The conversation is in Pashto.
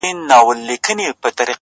دغه تولیدي مرکز